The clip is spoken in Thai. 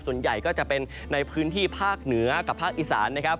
ส่วนใหญ่ก็จะเป็นในพื้นที่ภาคเหนือกับภาคอีสานนะครับ